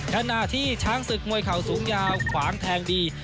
ขณะที่ช้างศึกมวยเข่าสูงยาวขวางแทงดี